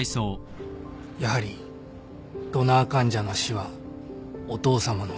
やはりドナー患者の死はお父さまの指示で